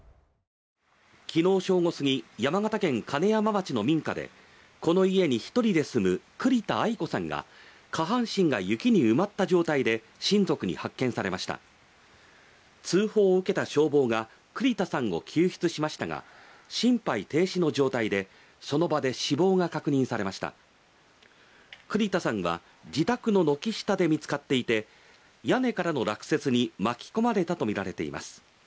昨日正午過ぎ山形県金山町の民家でこの家に一人で住む栗田アイ子さんが下半身が雪に埋まった状態で親族に発見されました通報を受けた消防が栗田さんを救出しましたが心肺停止の状態でその場で死亡が確認されました栗田さんは自宅の軒下で見つかっていて屋根からの落雪に巻き込まれたと見られています